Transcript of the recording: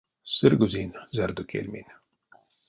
Сыргозинь, зярдо кельминь.